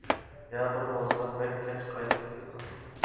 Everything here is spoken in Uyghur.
يا بىر بولسا بەك كەچ قايتىپ كېلىدۇ.